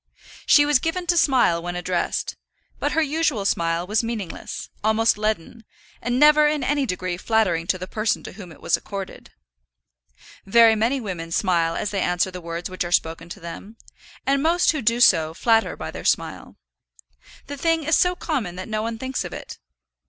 She was given to smile when addressed, but her usual smile was meaningless, almost leaden, and never in any degree flattering to the person to whom it was accorded. Very many women smile as they answer the words which are spoken to them, and most who do so flatter by their smile. The thing is so common that no one thinks of it.